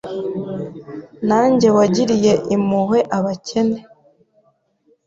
Nanjye wagiriye impuhwe abakene